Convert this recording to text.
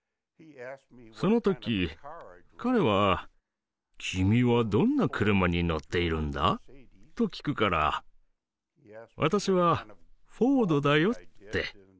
その時彼は「君はどんな車に乗っているんだ？」と聞くから私は「フォードだよ」って。